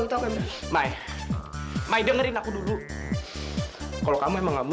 iya memang aku lihat